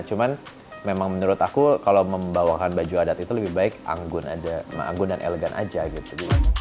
cuman memang menurut aku kalau membawakan baju adat itu lebih baik anggun dan elegan aja gitu